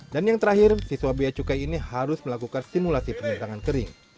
dan yang terakhir siswa bea cukai ini harus melakukan simulasi penyentangan kering